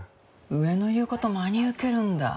上の言う事真に受けるんだ。